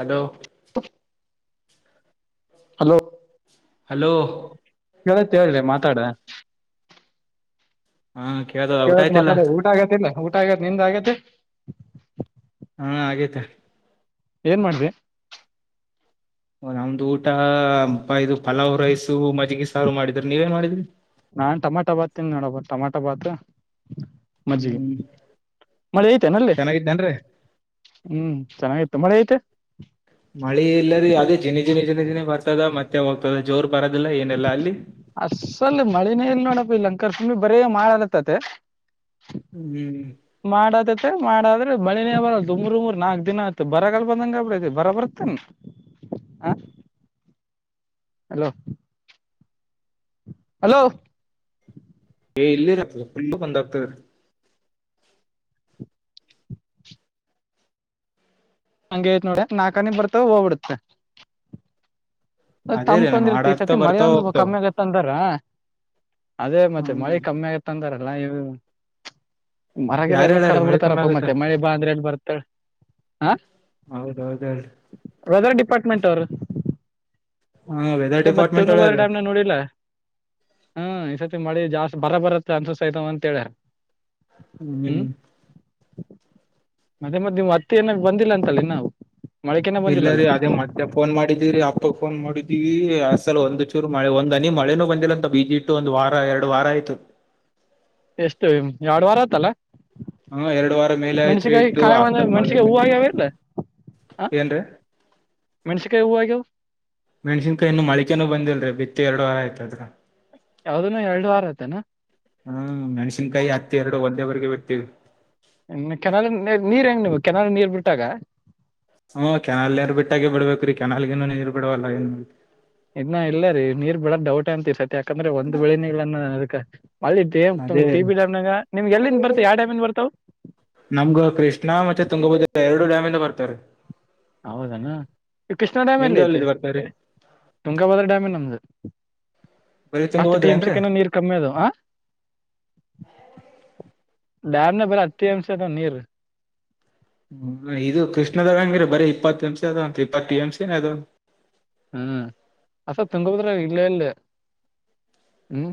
Hello hello hello ಕೇಳಿತೆ ಹೇಳೆ ಮಾತಾಡ. ಹಾ [unintelligible] ಕೇಳಕ್ ಮಾತಾಡ ಊಟ ಆಗತ್ತಿಲ್ಲಲ್ಲ ಊಟ ಆಗತ್ತತ್ ನಿಂದ್ ಆಗೈತಿ. ಹಾ ಆಗೈತೆ. ಏನ್ ಮಾಡಿದೆ. ಓ ನಮ್ದು ಊಟ ಇದು ಪಲಾವ್ ರೈಸು ಮಜ್ಜಗಿ ಸಾರು ಮಾಡಿದ್ರಿ ನೀವ ಏನ್ ಮಾಡಿದ್ರಿ. ನಾನ್ ಟೊಮೊಟೊ ಬಾತ್ ತಿಂದೆ ನೋಡಪ್ಪ ಟಮಾಟೋ ಬಾತ್ ಮಜ್ಜಿಗೆ ಹ್ಮ್ ಮಳೆ ಐತೆನ ಅಲ್ಲಿ. ಚೆನ್ನಾಗಿದ್ದೇನ್ರೀ ಹ್ಮ್ ಚೆನ್ನಾಗಿತ್ತು ಮಳೆ ಆಯ್ತೆ. ಮಳೆ ಇಲ್ಲರಿ ಅದೇ ಜಿನಿ ಜಿನಿ ಜಿನ ಜಿನೇ ಬರ್ತದ ಮತ್ತೆ ಹೋಗ್ತದ ಜೋರ್ ಬರೋದಿಲ್ಲ ಏನೀಲ್ಲ ಅಲ್ಲಿ. ಅಸಲ್ ಮಳೆನೆ ಇಲ್ಲಿ ನೋಡಪ್ಪ ಇಲ್ಲ ಅಂಕಾರ್ ಫುಲ್ ಬರೇ ಮಾಡಕಟ್ಟುತೈತೆ. ಹ್ಮ್ ಮಾಡತದೆ ಮಾಡಾದ್ರೆ ಮಳೆನೇ ಬರಲ್ಲ ದುಮ್ರು ಉಮರ್ ನಾಕ್ ದಿನ ಅಯ್ತು ಬರಗಲ್ ಬಂದಂಗ ಆಗಿಬಿಟೈತೇ ಬರ ಬರುತೇನ್. ಹ ಹಲೋ. ಹಲೋ [unintelligible] ಹಂಗೆ ಆಯ್ತ್ ನೋಡ ನಾ ಅಕಾಡಿ ನಿಂತ ಬಂದ್ರೆ ಹೋಗ್ಬಡತ್ತ್. ಅದೇ ರೀ ತಂಪ್ ನಮ್ ಒಂದ್ ಹಾಡ ಇರತ್ತಾ. ಇ ಆಗ್ತಾ ಸರ್ತಿ ಮಳಿ ಬರ್ತಾವ ಒಂದ್ ಹೋಗ್ತಾವ ಕಮ್ಮಿ ಆಗ್ಯಾದ. ತಂದಾರ ಅದೇ ಮತ್ತೆ ಹ್ಮ್ ಮಳಿ ಕಮ್ಮಿಯ್ತ್ ಅಂದರಲ್ಲ ಇ ಮರ ಗಿರ ಯಾರ ಎಲ್ಲ ಹೇಳ್ಯಾರ ಕಡ್ಡದ್ ಮಳಿ ಕಮ್ಮಿ ಬಿಡ್ತರಪ್ಪ ಆಗತ್ತ ಮತ್ತೆ ಮಳಿ ಬಾ ಅಂದ್ರ ಎಲ್ಲಿ ಬರತ್ತ ಹೇಳ್. ಹೌದ್ ಹೌದ ಹೇಳ್. ವೆದರ್ ಡಿಪಾರ್ಟ್ಮೆಂಟ್ ಅವರು ಹಾ ವೆದರ್ ಮತ್ತ ಡಿಪಾರ್ಟ್ಮೆಂಟ್ ತುಂಗಾಬದ್ರಾ ಹೇಳ್ಯಾರ ಡ್ಯಾಮ್ನಂಗ್ ನೋಡಿಲ್ಲ. ಹ್ಮ ಈ ಸತಿ ಮಳಿ ಜಾಸ್ತಿ ಬರ ಬರತ್ತೆ ಅನ್ಸಿಸ್ತಾಯತವ ಅಂತೇಳರ್. ಹ್ಮ್. ಮತ್ತೆ ಮತ್ತೆ ನೀಮ್ ಹತ್ತಿ ಏನಾ ಬಂದಿಲ್ಲ ಅಂತಲ್ಲ ಇನ್ನಾವು. ಇಲ್ಲ ರಿ ಅದೇ ಮ ಮತ್ತೆ ಫೋನ್ ಮಾಡಿದೀವಿರಿ ಅಪ್ಪಗ್ ಫೋನ್ ಮಾಡಿದೀರವಿ ಅಸಲ ಒಂದು ಚೂರು ಮಳೆ ಒಂದ ಅನಿ ಮಳೆನೂ ಬಂದಿಲ್ಲ ಅಂತ ಬಿಜೆ ತು ಒಂದವಾರ ಎರಡವಾರ ಆಯ್ತು. ಎಷ್ಟು ಎರಡ್ ವಾರ ಆತಲ್ಲ. ಹಾ ಎರಡವಾರ ಮೇಲೆ ಆಯ್ತ್ರಿ ಮೆಣಸಿಕಾಯಿ ಇಟ್ಟು ಕಾಯಿ ಒಂದ ಮೆಣಸಿಕಾಯಿ ಹೂ ಅಕ್ಕನಮಗಳ ಆಗ್ಯಾವ ಇಲ್ಲ ಹಾ ಏನ್ರೀ. ಮೆಣಸಿಕಾಯಿ ಹೂವ ಆಗ್ಯಾವ. ಮೆಣಸಿನಯೀ ಇನ್ನು ಮೋಳ್ಕೇನು ಬಂದಿಲ್ಲಲ್ರಿ ಬಿತ್ತಿ ಎರಡವಾರ ಆಯ್ತು. ಅವ್ದುನು ಎರಡವಾರ ಆಯ್ತೇನ. ಹ್ಮ ಮೆಣ್ಸಿನ್ಕಾಯಿ ಹತ್ತಿ ಎರಡು ಒಂದೇವರೆಗೆ ಬಿತ್ತಿವಿ. ಇ ಕೆನಾಲ ನೀರ್ ಹೆಂಗ ನೀವು ಕೆನಲ್ ನೀರ್ ಬಿಟ್ಟಾಗ. ಹು ಕಾನೆಲ್ ನೀರ್ ಬಿಟಗೆ ಬಿಡ್ಬೇಕ್ರಿ ಕೆನಾಲ್ಗಿನಲ್ ನೀರ್ ಬಿಡಲ್ಲ. ಇನ್ನ ಇಲ್ಲರಿ ನೀರ್ ಬಿಡೋದು ಡೌಟ್ ಅಂತೇ ಇಸತಿ ಯಾಕಂದ್ರೆ ಒಂದೆ ವೇ ಇಲ್ಲನ್. ಅದೇ [inaudible] ನಿಮ್ಗ್ ಎಲ್ಲಿಂದ ಬರ್ತಾವು ಯಾವ್ ಡ್ಯಾಮ್ ಇಂದ ಬರ್ತಾವು. ನಮ್ಗ ಕೃಷ್ಣ ಮತ್ತೆ ತುಂಗಭದ್ರ ಎರಡು ಡ್ಯಾಮಿಂದ ಬರ್ತಾವ ರೀ. ಹೌದಾನ ಈ ಕೃಷ್ಣ ಡ್ಯಾಮ್ ನಿಮ್ದ್ ಎಲ್ಲಿ ಐತಿ ಯಾವ್ದ್ರಿಂದ ಬರ್ತಾವ್ರಿ ತುಂಗಾಭದ್ರ ಡ್ಯಾಮೇ ನಮ್ದು. ಬರೀ ಹತ್ತು ತುಂಗಭದ್ರಾ ಟೀಮ್ ಏನ್ರೀ? ಚಿಕನ ನೀರ್ [unintelligible] ಹ್ಮ ಇದು ಕೃಷ್ಣದಂಗಿರಿ ಬರೆ ಇಪ್ಪತ್ತ ಅಂಶ ಅದಾವ್ ಅಂತ ಇಪ್ಪತ್ತು ಎಂಶ ಅ ಹ್ಮ್ ಅಸ ತುಂಗದ್ರ ಇಲ್ಲೇ ಇಲ್ಲಿ ಹ್ಮ್.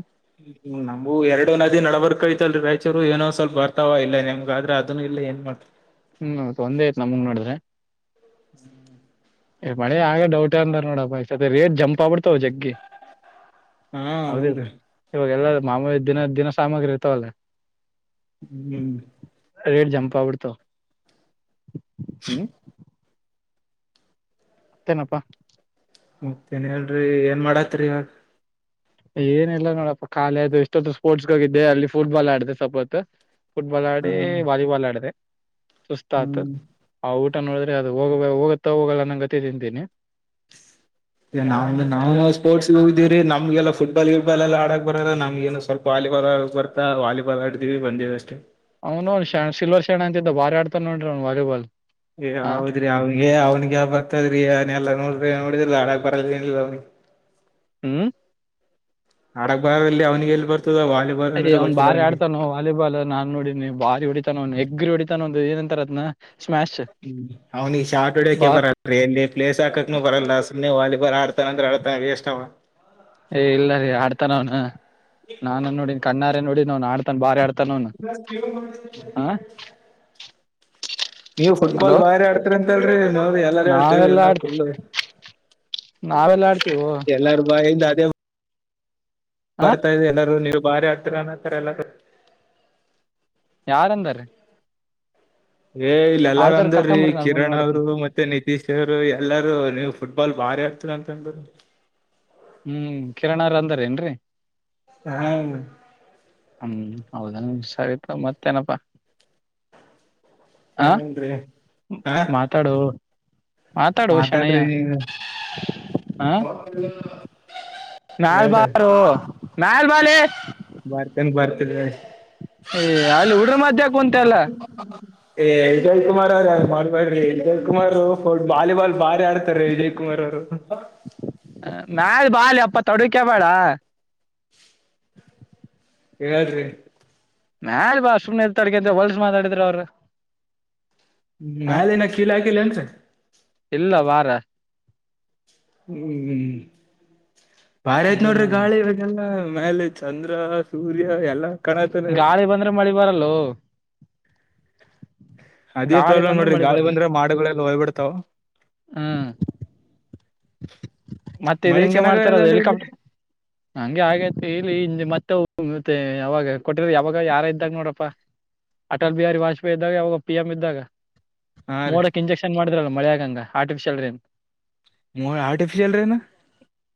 ಹ್ಮ್ ನಮಗೂ ಎರಡೋ ನದಿ ನಬರ್ಕೈಐತ್ಲ್ರಿ ರಾಯಚೂರು ಏನೋ ಸ್ವಲ್ಪ ಬರ್ತಾವ ಇಲ್ಲ ನಮ್ಗ ಆದ್ರೆ ಅದನ್ನು ಇಲ್ಲ ಏನ್ ಮಾಡ್ತ ಹ್ಮ್ ಒಂದೆ ಆಯಿತ್ ನಮಂಗ ನೋಡಿದ್ರೆ. ಹ್ಮ್ ಮಳಿ ಆಗ್ದ ಡೌಟ್ ಅಂದ್ರ ನೋಡಪ್ಪಾ ಇಸತಿ ರೇಟ್ ಜಂಪ್ ಆಗಬುಡ್ತಾವು ಜಗ್ಗಿ. ಹಾ ಹೌದಿಲ್ ಹೌದ್ರೀ, ಇವಾಗ ಎಲ್ಲ ಮಾಮುಲಿ ದಿನ ದಿನ ಸಾಮಗ್ರಿ ಇರ್ತವಲ್ಲ. ಹ್ಮ್. ರೇಟ್ ಜಂಪ ಆಗ್ಬಿಡ್ತಾವ್ ಹ್ಮ್. ತ್ತೇನಪ್ಪಾ, ಮತ್ತೇನ್ ಹೇಳ್ರಿ ಏನ್ ಮಾಡತ್ರಿ ಇವಾಗ. ಏನಿಲ್ಲ ನೋಡಪ್ಪಾ ಕಾಲೇ ಅದು ಇಷ್ಟೊತ್ತು ಸ್ಪೋರ್ಟ್ಸ್ಗಾಗ ಹೋಗಿದ್ದೆ ಅಲ್ಲಿ ಫುಟ್ಬಾಲ್ ಆಡಿದೆ ಸಪತ್ತು. ಫುಟ್ಬಾಲ್ ಹಾ ಆಡಿ, ವಾಲಿಬಾಲ್ ಆಡದೆ, ಸುಸ್ತತ್ ಆಯಿತು. ಹ್ಮ್ ಆ ಊಟ ನೋಡಿದ್ರೆ ಅದು ಹೋಗ ಹೋಗುತ್ತ ಹೋಗಲ್ಲ ಅಂನ್ಗತೆ ತಿಂತೀನಿ. [inaudible] ನಾವ ನಾವು ಸ್ಪರ್ಟ್ಸ್ ಹೋಗಿದೀರಿ ನಮ್ಗೆಲ್ಲ ಫುಟಬಾಲ್ ಗಿಟ್ಬಾಲ್ ಎಲ್ಲ ಆಡಕ್ ಬರೋಲ್ಲ ನಮ್ ಏನು ಸ್ವಲ್ಪ ವಾಲಿಬಾಲ್ ಆಡಕ್ ಬರ್ತಾ ವಾಲಿಬಾಲ್ ಆಡಿದೀವಿ ಬಂದೀವಿ ಅಷ್ಟೇ ಅವ್ನು ಅವನು ಶಣ ಸಿಲ್ರ್ ಶಣ ಅಂತಿದ್ದ ಭಾರಿ ಆಡ್ತಾನ ನೋಡಿರಿ ಅವ ವಾಲಿಬಾಲ್ ಏ ಹಾ ಹೌದ್ರಿ ಅವಿಗೆ ಅವ್ನಿಗೆ ಬರ್ತದ್ರೀ ಅವನೆಲ್ಲಾ ನೋಡ್ರಿ ನೋಡಿದ್ರಾಲ ಬರಲ್ ಏನ್ರಿ ಅವ್ನಿಗೆ ಹ್ಮ್ ಆಡಕ್ ಬಾರಲ್ಲಿ ಅವನಿಗೆ ಎಲ್ಲಿ ಬರ್ತದ ವಾಲಿಬಾಲ್ ಅಯ್ಯ ಅಂದ್ರೆ ಅವ್ನ್ ಗೊತ್ತಿಲ್ಲ ಬಾರಿ ಅವನಿಗೆ ಆಡ್ತಾನ ವಾಲಿಬಾಲ್ ನಾನ್ ನೋಡಿನಿ ಬಾರಿ ಹೊಡಿತಾನ ಹೆಗ್ರಿ ಹೊಡಿತಾನ ಒಂದು ಏನಂತರ ಅದ್ನಾ ಸ್ಮ್ಯಾಶ್ ಹ್ಮ ಅವ್ನಿಗ್ ಶಾಟ್ ಹೊಡಿಯೋಕೆ ಬಾರಿ ಬರಲ್ ಅ ಎಲ್ಲಿ ಪ್ಲೇಸ್ ಹಾಕಕು ಬರಲ್ಲ ಸುಮ್ಮನೆ ವಾಲಿಬಾಲ್ ಆಡ್ತಾನ ಅಂದ್ರ ಆಡತ ವೇಸ್ಟ್ ಅವ ಏ ಇಲ್ಲ ರೀ ಆಡ್ತಾ ಅವನು ನಾನು ನೋಡನ್ ಕಣ್ಣಾರೆ ನೋಡಿ ಅವನ್ ಆಡ್ತ ತನ್ ಬಾರಿ ಆಡ್ತಾನ್ ಅವ್ನು ನೀವು ಫುಟ್ಬಾಲ್ ಹಲೋ ಬಾರಿ ಆಡ್ತರಿ ಅಂತಲ್ರರಿ ನೋಡ್ರಿ ಎಲ್ಲಾರ ನಾವೆಲ್ಲಾ ಹೇಳ್ರ್ ಆಡ್ ಫುಲು ನಾವೆಲ್ಲಾ ಆಡ್ತೀವಿ ಎಲ್ಲಾರ್ ಬಾಯಿಂದ ಅದೇ ಹ ಬರ್ತಾ ಇದೆ ಎಲ್ಲಾರೂ ನೀವು ಬಾರಿ ಆಡ್ತೀರಾ ಅನ್ನೋ [unintelligible] ಎಲ್ಲಾರೂ ಯಾರ್ ಅಂದಾರ್ ರಿ ಏ ಇಲ್ಲ ಎಲ್ಲಾರ ಆಡ್ದಾರ ಅಂದ್ರೀ ಕರ್ಕೊಂಬರ್ರಿ ನನ್ ಮುಂದ್ ಕಿರಣ್ ನೋಡತ್ನ ಅವರು ಮತ್ ಮತ್ತೆ ನಿತೀಶ್ ಅವರು ಎಲ್ಲಾರೂ ನೀವ್ ಫುಟ್ಬಾಲ್ ಭಾರಿ ಆಡ್ತರ ಅಂತಂದರು ಹ್ಮ್ ಕಿರಣ ಅವ್ರ ಅಂದಾರ ಏನ್ರಿ ಹ್ಮ್ ಹ್ಮ್ ಹೌದನ್ ಸರಿ ತಕೊ ಮತ್ತೇನಪ್ಪಾ ಹಾಂ ಏನನ್ರಿ ಹಾ ಮಾತಾಡು ಮಾತಾಡು ಶಣಯ್ಯ ಮಾತಾಡ್ರಿ ಅಂ ಅಲ್ಲ ಮ್ಯಾಲ್ ಬಾರೋ ಮ್ಯಾಲ್ ಬಾಲೆ ಬರ್ತನ್ ಬರ್ತದೆ ಏಯ್ ಅಲ್ಲಿ ಉಡ್ರ ಮಧ್ಯ ಕುಂತೆ ಅಲ್ಲ ಏ ವಿಜಯ್ ಕುಮಾರ್ ಅವ್ರ ಮಾಡ್ಬಾರಡ್ರಿ ವಿಜಯ್ ಕುಮಾರು ಫೋಟೋ ವಾಲಿಬಾಲ್ ಬಾರಿ ಆಡ್ತಾರೆ ವಿಜಯ್ ಕುಮಾರ್ ಅವರು ಮ್ಯಾಲ್ ಬಾಳಿ ಅಪ್ಪ ತಡೂಕ್ಯ ಬೇಡ ಹೇಳ್ರಿ ಮ್ಯಾಲ್ ಬಾ ಸುಮ್ನೆ [unintelligible] ಹೊಲ್ಸ ಮಾತಾಡಿದ್ರೆ ಅವ್ರು ಆ ಮ್ಯಾಲಿನ ಕಿಲ್ ಆಗಿಲ್ ಏನ್ರಿ ಇಲ್ಲ ವಾರ ಹ್ಮ್ ಹ್ಮ್ ಬಾರಿ ಆಯ್ತ್ ಅದೇ ನೋಡ್ರಿ ನೋಡ ಗಾಳಿ ಇವತ್ ಲ್ಲ ಮ್ಯಾಲೆ ಚಂದ್ರ ಸೂರ್ಯ ಎಲ್ಲ ಗಾಳಿ ಬಂದ್ರೆ ಮಳಿ ಬರಲ್ಲೊ ಅದೇ ಪ್ರಾಬ್ಲಮ್ ನೋಡ್ರಿ ಗಾಳಿ ಬಂದ್ರೆ ಮಾಡುಗಳೆಲ್ಲ ಹೊಯ್ಬಿಡ್ತಾವು ಹ್ಮ್ ಮತ್ತೆ ಇದು ಹೆಂಗೆ ಮಾಡ್ತಾರ ಅದು ಇಲ್ಲಿ ಹೆಲಿಕಾಪ್ಟರ್. ಹಂಗೆ ಆಗೈತಿ ಇಲ್ಲಿ ಮತ್ತೆ ಯಾವಾಗ ಕೊಟ್ಟಿರ ಯಾವಾಗ ಯಾರ ಇದ್ದಾಗ ನೋಡಪ್ಪಾ ಅಟಲ್ ಬಿಹಾರಿ ವಾಜ್ಪೇಯಿ ಇದ್ದಾಗ ಪಿ ಎಂ ಇದ್ದಾಗ ಹಾ ರೀ ಮೋಡಕ್ ಇಂಜೆಕ್ಷನ್ ಮಾಡಿದ್ರಲ್ಲ ಮಳೆಯಾಗಂಗ ಆರ್ಟಿಫಿಷಿಯಲ್ ರೇನ್ ಮೋಡ ಆರ್ಟಿಫಿಸಿಯಲ್ ರೇನ್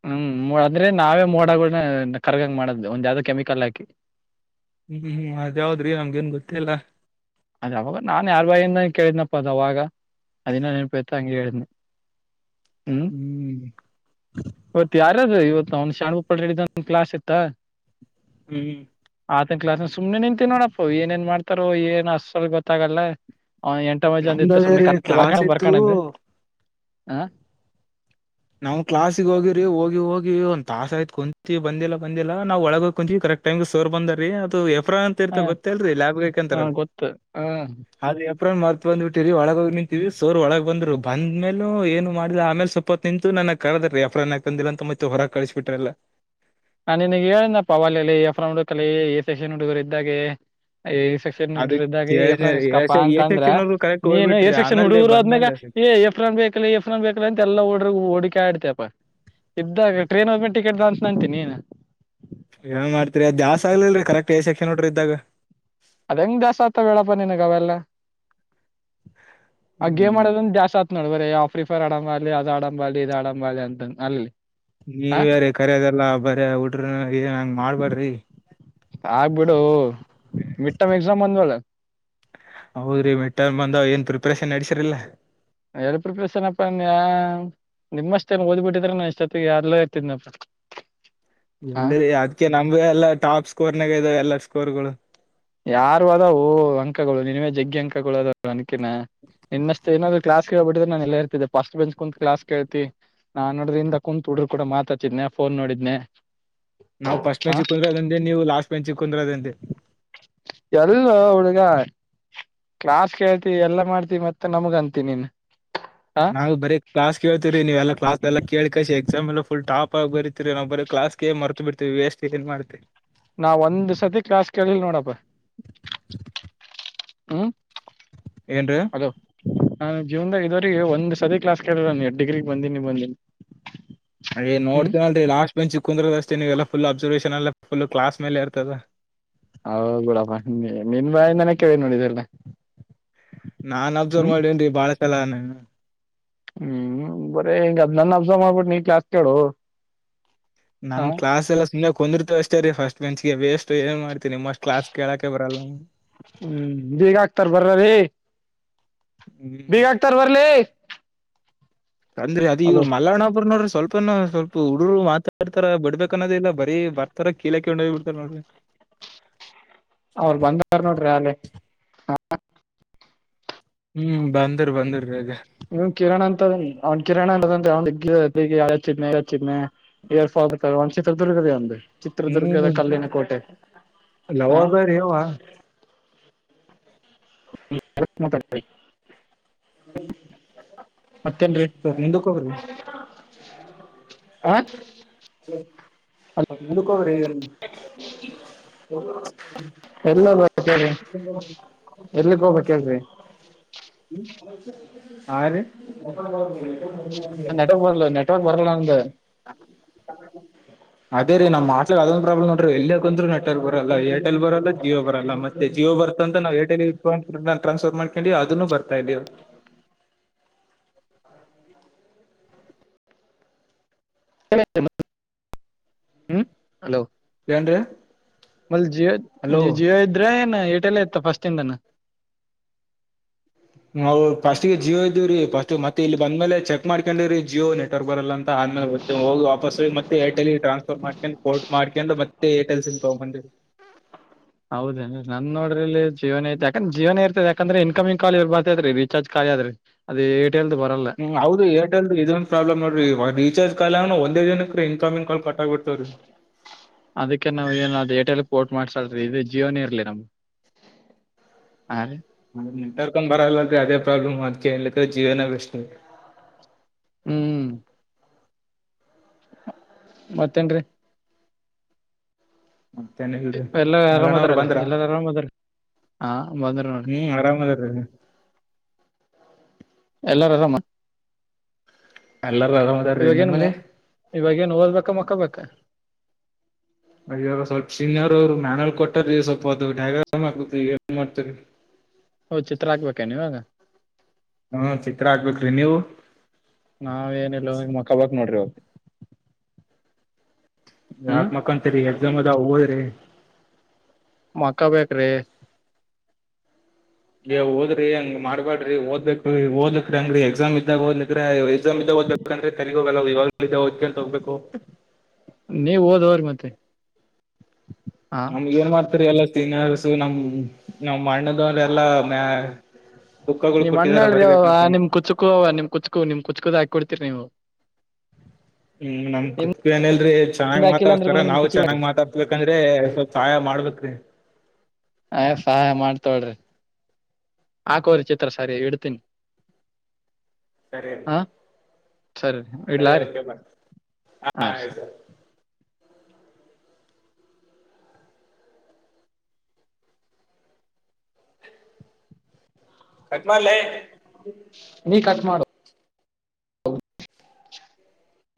ಹ್ಮ್ ಅಂದ್ರೆ ನಾವೇ ಮೋಡಗಳ ಕರ್ಗಂಗ ಮಾಡದ್ ಒಂದ ಯಾವ್ದ್ ಕೆಮಿಕಲ್ ಹಾಕಿ ಹ್ಮ್ ಹ್ಮ್ ಅದಾವದ್ರಿ ನಮ್ಗ ಏನ್ ಗೊತ್ತಿಲ್ಲ ಅದೇ ಅವಾಗ ನಾನ್ ಯಾರ್ ಬೈಯಿಂದ ಕೇಳಿದನಪ್ಪ ಅದ ಅವಾಗ ಅದಿನ ನನನುುತ ಅಂಗೇ ಹೇಳನೆ ಹ್ಮ್ ಇವತ್ ಯಾರದು ಇವತ್ ಅವ್ನ್ ಶಾಣ್ಬುಪ್ಪಳ ರಡ ಕ್ಲಾಸ್ ಇತ್ತ ಹ್ಮ್ ಆತನ ಕ್ಲಸ್ ಸುಮ್ನೆ ನಿಂತ ನೋಡಪ್ಪ ಏನ್ ಮಾಡ್ತಾರ ಏನ್ ಲ್ ಗೊತ್ತಾಗಲ್ಲ ಎಂಟ ಮಜ್ ಒಂದ ನಮ್ದ ಇತ್ತು ಅದೇ ಸುಮ್ನೆ ರೀ ಕತ್ತ ಕ್ಲಾಸ್ ಬರ್ಕೊಂಡ್ ಬರ್ಕಣ ಇತ್ತು ಹಾ ನಾವು ಕ್ಲಾಸಿಗೆ ಹೋಗಿ್ರರಿ ಹೋಗಿ ಹೋಗಿ ಒಂದ್ ತಾಸ ಆಯ್ತತ್ ಕುಂತಿ ಬಂದಿಲ್ಲ ಬಂದಿಲ್ಲ ನಾವ್ ಒಳಗ ಕುಂತ ಕರೆಕ್ಟ್ ಟೈಮ್ ಸೋರ್ ಬಂದಾರಿ ಅದು ಎಫ್ರಾ ಅಂತ ಹ ಇರ್ತ ಗೊತ್ತೇ ಅಲ್ರಿ ಲ್ಯಬ್ ಹ ಬೇಕಂತಾರಲ್ ಗೊತ್ತು ಹ ಅದ್ ಎಪ್ರನ್ ಮತ್ ಬಂದ್ಬ ಬಿಟ್ಟಿರಿ ಒಳಗೋಗ್ ನಿಂತೀವಿ ಸೋರ್ ಒಳಗ್ ಬಂದ್ರು ಬಂದ ಮ್ಮೇೂ ಏನು ಮಾಡಿದ ಆಮೇಲೆ ಸ್ವಲ್ಪ ನಿಂತು ನನಗ್ ಕಳದ ರ ಯಫ್ನ್ಕಂದಿಲ್ಲ ಅಂತ ಮತ್ತೆ ಹೊರ ಕಳ್ಸಬ ಬಿಟ್ರಲ್ಲ ಹ ನಿನಗ್ ಹೇಳನಪ್ಪ ಅವಲ್ಲಲ್ಲಿ ಎಫ್ರ ಹುಡುಕಲಿ ಎ ಸಷನ್ ಹುಡುಗರು ಇದ್ದಾಗೆ ಸೆಕ್ಷನ್ ಅದಕ್ ಹಿಡ್ರ್ದಾಗ ಕೇಳಿದೆ ಎಫ್ರಾನ್ ಇಸ್ಕಪ್ಪಾ ಅಂತ ಎ ಅಂದ್ರ ಸೆಕ್ಷನ್ ಅವ್ರು ಕರೆಕ್ಟ್ ನೀನು ಹೋಗ್ಬಿಟ್ರಿ ಏರ್ ಸೆಕ್ಷನ್ ಆಮೇಲೆ ಹುಡುಗುರು ಆದ್ಮ್ಯಾಗ ಬಂದ್ಮೇಲೆ ಏ್ಫ್ರನ್ ಬೇಕಲಿ ಎಫ್ರನ್ ಬೇಕಕ್ಲಿ ಅಂತೆ ಎಲ್ಲಾಡ್ರಗ್ ಹುಡಕ ಆಡ್ತಪಾ ಇದ್ದಾಗಟ್ರನ್ ಹ್ ಟಿಕೆಟ್ ಅನ್ಸ್ ಅಂತೀ ನೀ ಏನ್ ಮಾಡ್ತಿರಿ ಅದ ದಾಸ್ ಆಗ್ಲಲ್ರಿ ಕರೆಕ್ಟ್ಏಸ್ಕೆ ನೋಡ್ರ ಇದಾಗ ಅದಂಗ್ ದಾಸ್ ಆಗ್ತ ಹೇಳೇಪ್ಪ ನಿನಗ ಅವೆಲ್ಲ ಆ ಗೇಮ್ ಹ್ಮ್ ಮಾಡೋದ ದಾಸ್ ಆತ ನೋಡಬರ ಆಫ್ರಿಫರ್ ಆಡಂಬ ಅಲಿ ಅದು ಆಡಂಬ ಅಲಿ ಇದದು ಆಡಂಬಲಿ ಅಂತನ್ ಅಲ್ಲಿ ನೀವ ಹ ಯಾರೀ ಕರಿ ಅದೆಲ್ಲ ಬರ ಉಡ್ರ ಏನ್ ಹಂಗ ಮಾಡ್ಬೇಡ್ರಿ ಆಗ್ಬಿಡು ಮಿಟ್ಟಮ್ ಎಕ್ಸಾಮ್ ಬಂದ್ವಲ್ಲ ಹೌದ್ರಿ ಮೆಟ್ಟರ್ ಬಂದಾವ್ ಏನ್ ಪ್ರಿಪರೇಷನ್ ನಡಸಿರ್ಲಾ [unintelligible] ನಿಮ್ಮಷ್ಟೇ ಓದು ಬಿಟ್ಟಿದ್ರೆ ನಾನ್ಷ್ಟೊತ್ತಿಗೆ ಯಾರ್ಲೇ ಇರ್ತಿದ್ನಪ್ಪ ಹ ಎಲ್ಲಿ ಅದ್ಕ ನಮ್ ಎಲ್ಲ ಟಾಪ್ ಸ್ಕೋರ್ ನಾಗ ಇದಾವ ಎಲ್ಲಾ ಸ್ಕೋರ್ಗಳು ಯಾರು ಅದ ಅಂಕಗಳು ನಿನ್ವೇ ಜಗ್ಗಿ ಅಂಕಗಳು ಅದ ಅನಕಿನ ನಿನ್ನಷ್ಟು ಏನಾದ್ ಕ್ಲಾಸ್ ಕೇಳಳ್ಬಟ್ಟಿದೆ ನಾನ ಎಲ್ಲ ಇರ್ತಿದ್ದ ಸ್ಟ್ ಬೆಂಚ್ ಕುಂತ ಕ್ಲಾಸ್ ಕೇತಿ ನಾ ನೋಡ್ರಿಂದ ಕುಂತ್ ಹುಡರು ಕಡ ಮಾತಾತಿದ್ನೆ ಫೋನ್ ನೋಡಿದ್ನೆ ನಾವು ಸ್ಟ್ ಹ ಮ್ಯಾಚ್ ಕ ಕುಂದರದೆ ನೀವು ಲಾಸ್ಟ್ ಮ್ಯಾಚಿಗೆ ಕುಂದರದೆ ಎಲ್ಲ ಹುಳಗ ಕ್ಲಾಸ್ ಕೇಳ್ತಿ ಎಲ್ಲಾ ಮಾಡ್ತಿ ಮತ್ತೆ ನಮಗ ಅಂತ ನೀನ್ ಹ ಅದು ಬರಿ ನೀವು ಕ್ಲಾಸ್ ಕೇಳುತ್ತೀರಿ ಎಕ್ಸಾಮ್ ಎಲ್ಲಾ ಫುಲ್ ಟಾಪ್ ಬರಿತಿರಿ [unintelligible] ಮತು ಬಿಡ್ತತಿ ವೇಸ್ಟ್ ಏನ್ ಮಾಡ್ತತಿ ನಾವ ಒಂದ್ ಸತಿ ಕ್ಲಾಸ್ ಕೇಳಿಲ್ಲ ನೋಡಪ್ಪ ಹ್ಮ್ ಏನ್ ರಿ ಅಲೋ ನಾನು ಜೀವನದಾಗ ಇದೋರಿಗೆ ಒಂದ ಸ ಕ್ಲಾಸ್ ಕಾನು ಎರಡ್ ಡಿಗ್ರಿಗೆ ಬಂದೀನಿ ಬಂದೀನಿ ಏ ನೋಡ್ತೀನ ಅಲ್ರಿ ಲಾಸ್ಟ್ ಬಂಚ್ ಚ ಕುಂದ್ರದ ಅಷ್ಟೇ ನೀವೆಲ್ಲ ಫುಲ್ ಅಬರ್ನ್ ಎ ಫುಲ್ ಕ್ಲಾಸ್ ಇರ್ತದ ಹೌದು ಬೀಡಪ್ಪ ನೀ ನೀನ್ ಬಾಯಿಂದನೇ ಕೇಳಿ ನೋಡಿದ್ರಲ್ಲ ನಾನ್ ಅಬ್ಸರ್ವ್ ಮಾಡೇನ್ ಬಾಳ ಚಲ ಹ್ಮ್ ಬರೇ ಹಿಂಗ ಅದ್ ನನ್ನ ಅಬ್ಸ ಮಾಡ್ಬಿಟ್ಟು ನೀ ಕ್ಲಾಸ್ ಕೇಳು ನಮ್ ಹ ಕ್ಲಸ್ ಎಲ್ಲ ಸುಮ್ಮನೆ್ ಕೊಂದಿತ ಅಷ್ಟ ರೀ ಫಸ್ಟ್ ಬೆಂಚ್ಗೆ ವೇಸ್ಟ್ ಏನ್ ಮಾಡ್ತೀನ ನಿಮ್ಮ ಅಷ್ಟ ಕ್ಲಾಸ್ ಕೇಳೋಕ ಬರಲ್ಲ ಹ್ಮ್ ಬೀಗ ಆಕ್ತಾರ ಬರ್ರರಿ ಹ್ಮ್ ಭೀಗ ಅಕ್ತರ್ ಬರ್ಲಿ ಅಂದ್ರೆ ಅ ಇವ್ ಅಲೋ ಮಲ್ಲಾಪುರ ನೋಡ್ರ ಸ್ವಲ್ಪ ಇ ಸ್ವಲ್ಪ ಹುಡುರು ಮಾತಾಡ್ತಾರ ಬಿಡ್ಬೇಕ ಅನ್ನೋದ ಇಲ್ಲ ಬರೀ ಬರ್ತಾರ ಕೀಲಿ ಹಾಕೊಂಡ್ ಹೋಗಿ ಬಿಡ್ತಾರ ನೋಡ್ರಿ ಅವ್ರ ಬಂದಾರ ನೋಡ್ರಿ ಅಲ್ಲಿ ಹ್ಮ್ ಬಂದ್ರಿ ಬಂದರ ಈಗ ಇವ್ ಕಿರಣ್ ಅಂತ ಅವ್ನ್ ಕಿರಣ ಅ ಚಿಹ್ನೆ [unintelligible] ಏರ್ಫಲ್ ಚಿತ್ರದುರ್ಗದ ಅದೇ ಹ್ಮ್ ಚಿತ್ರದುರ್ಗದ ಕಲ್ಲಿನ ಕೋಟೆ ಹ ಲವಬರಿ ಅವ [unintelligible] [unintelligible] ಮತ್ತೇನ್ರಿ ಸ್ವಲ್ಪ ಮುಂದಕ್ ಹೋಗ್ರಿ ಆ [unintelligible] ಎಲ್ಲಿ [unintelligible] ಬೇಕೆ [unintelligible] ಹಾರಿ [unintelligible] [unintelligible] ಇ ಬರಲ್ಲ ಅಂದೆ ಅದೇ ರೀ ನಮ್ಮಮಾ ಅದೊಂದು ಪ್ರಾಬ್ಲ ನೋಡ್ರಿ ಎಲ್ಲೇ ಕುಂತ್ರು ನೆಟ್ವರ್ಕ್ ಬರಲ್ಲ ಏರ್ಟೆಲ್ ಬರಲ್ಲ ಜಿಯೋ ಬರಲ್ಲ ಮತ್ತೆ ಜಿಯೋ ಬರ್ತ ಅಂತ ನಾವು ಏರ್ಟಲ್ ಇಟ್ಕೊಂಡ ಟ್ರಾನ್ಸ್ಫರ್ ಮಾಡ್ಕೊಂಡಿ ಅದೂ ಬರ್ತ ಇಲ್ಲಾ [unintelligible] ಹ್ಮ್ ಹಲೋ ಏನ್ರೀ ಮೊದಲ್ ಹಲೋ ಜಿಯೋ ಜಿಯೋ ಇದ್ರೆ ಏನ ಏರ್ಟೆಲ್ ಇತ್ತ ಫಸ್ಟಯಿಂದನ ನಾವು ಫಸ್ಟಗೆ ಜಿಯೋ ಇದ್ದವ ರೀ ಪಸ್ಟ್ ಮತ್ತೆ ಇಲ್ಲಿ ಬಂದ ಮೇಲೆ ಚೆಕ್ ಮಾಡ್ಕೊಂಡ್ರಿ ರೀ ಜಿಯೋ ನೆಟ್ವರ್ಕ್ ಬರಲ್ಲ ಅಂತ ಆದ್ಮೇಲೆ ಗೋ ಹೋಗಿ ವಾಪಸ್ ಮತ್ತೆ ಎರ್ಟೆಲ್ ಟ್ರಾನ್ಸ್ಫರ್ ಮಾಡ್ಕೊಂಡು ಫೋರ್ಟ್ ಮಾಡ್ಕೊಂಡ ಮತೇ ಏರ್ಟೆಲ್ ಸಿಮ್ ತಗೊಂಡ್ ಬಂದೇರೀ ಹೌದೇನ್ ನನ್ ನೋಡ್ರೀ ಜೀವೊನ ಐತಿ ಯಾಕಂದ್ರೆ ಜೀವೊನ ಇರ್ತ ಯಾಕಂದ್ರ ಇನಕಮಿಂಗ್ ಕಾಲ್ ಇವ್ ಬರ್ತತ್ ರಿಚಾರ್ಜ್ ಕಾಲಿ ಆದ್ರ ಅದು ಏಟೈಲದ ಬರಲ್ಲ ಹ್ಮ್ ಹೌದು ಏರ್ಟೆಲ್ ಇದಂದು ಪ್ರಾಬ್ಲಮ್ ನೊಡ್ರಿ ರಿಚಾರ್ಜ ಕಾಲಿಆಗಾನ ಒಂದೇ ದಿನಕ್ಕೆ ಇನ್ಕಮಿಂಗ್ ಕಾಲ್ ಕಟ್ ಆಗಿ ಬಿಡ್ತವ್ರೀ ಅದಕ್ಕೆ ನಾವ್ ಏನ ಅದಕ ಏರ್ಟೆಲ್ ಪೋರ್ಟ್ ಮಾಡ್ಸಾಲ್ ಇದು ಜಿಯೋನೇ ಇರ್ಲಿ ನಮ್ಗೆ ಹಾ ರೀ ಅ ನೆಟ್ವರ್ಕ ಒಂದ ಬರಲ್ಲ ಅ ಅದೇ ಪ್ರಾಬ್ಲಮ್ ಅದಕೆ ಜೀವೊನ ಬೆಸ್ ಹ್ಮ್ ಮತ್ತೇನ್ರಿ ಮತ್ತೇನ ಇಲ್ರಿ ಎಲ್ಲ ಆರಾಮ್ ಮಲ್ಯಾಣ ಅವರು ಅದಾರಲ್ಲ ಬಂದ್ರ ಎಲ್ಲಾರು ಆರಾಮ್ ಅದಾರ ಹಾ ಬಂದ್ರ ನೊ ಹ್ಮ್ ಆರಾಮ್ ಅದ ರೀ ಎಲ್ಲಾರ ಆರಾಮ್ಮ ಎಲ್ಲಾರೂ ಆರಾಮ ಇವಾಗೇನ್ ಇವಾಗೇಏನ್ ಓದಬೇಕ ಮಕ್ಕೊಬೇಕಾ ಇವಾಗ ಸ್ವಲ್ಪ ಸೀನಿಯರ್ ಅವರು ಮ್ಯಾನಲ್ ಕೊಟ್ಟ್ರೀ ಸ್ವಲ್ಪ ಅದು ಡ್ಯಾಗ್ರಾಮ್ ಆಗ ಏನ್ ಮಾಡ್ತರಿ ಚಿತ್ರಾ ಹಾಕ್ಬೇಕೇನ್ ಇವಾಗ ಹ್ಮ ಚಿತ್ರಾ ಹಾಕ್ಬೇಕ್ರಿ ನೀವು ನಾವ ಏನಿಲ್ ಮಕ್ಕೊ ಬೇಕ ನೋಡ್ರಿ ಇವಾಗ ಹ್ಮ್ ಯಾಕ್ ಮಕ್ಕಂತರಿ ಎಕ್ಸಾಮ್ ಅದಾವ ಹ ಓದ್ರಿ ಮಕ್ಕೊ ಬೇಕ್ರಿ ಓದ್ರಿ ಹಂಗ್ ಮಾಡ್ಬೇಡ್ರಿ ಓದ್ಕ್ ಓದ್ಕ್ ಹಂಗ್ರರಿ ಎಕ್ಸಾಮ್ ಇದ್ದಾಗ ಓದ್ಲಿಕರ ಎಕ್ಸಾಮ್ ಇದ್ದಾಗ ಓದ್ಬೇಕುಂದ್ರೆ ತೆಲಿಗ ಹೋಗಲ್ಲ ಇವಾಗ ಓದ್ಕೊಂಡಂತ ಹೋಗ್ಬೇಕು ನೀವು ಹಓದವ್ರ ಮತ್ತೆ ಹ ನಮ್ಗ ಏನ್ ಮಾಡ್ತರಿ ಎಲ್ಲಾ ಸೀನಿಯರ್ಸ ನಮ್ ನಮ್ ಅಣ್ಣದವ್ರ ಎಲ್ಲಾ ಮ ನಿಮ್ಮ ಅಣ್ಣ ಅಲ್ರಿ ಯವ್ವ ನಿಮ್ಮ ಕುಚಿಕು ಆವಾ ಕುಚಿಕು ಕುಚಿಕು ದಾ ಕೊಡುತ್ತಾರೆ ನೀವು ಹ್ಮ್ ನಮ್ ನಿಮ್ದ ಕುಚುಕು ಅಲ್ರಿ ರಿ ಚೆನ್ನ್ ಹಾಕಿಲ್ಲ ಅಂದ್ರ ಮಾತಾಡ್ಸ್ತಾರ ಕೂಡ ನಿಮ್ ನಾವು ಕುಚುಕುಳರಿ ಚೆನ್ನ್ ಮಾತಾಡ್ ಹಬೇಕಂದ್ರೆ ಸ್ವಲ್ಪ ಸಹಾಯ ಮಾಡ್ಬೇಕ್ರೀ ಅಯ ಸಹಾಯ ಮಾಡ್ತೊಳ್ರಿ ಹಾಕೋರಿ ಚಿತ್ರ ಸರಿ ಇಡ್ತೀನಿ ಸರಿ ಹಾ ಸರಿ ಸರಿ ಇಡ್ಲಾರಿ ಓಕೆ ಬಾಯ್ ಹ ಹಾ ಸರಿ ಆಯ್ತರ್ ಕಟ್ಮೇ ಲೇ ನೀ ಕಟ್ ಮಾಡುವ